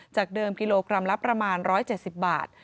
เดิมกิโลกรัมละประมาณ๑๗๐บาท